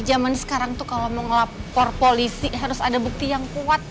zaman sekarang tuh kalau mau ngelapor polisi harus ada bukti yang kuat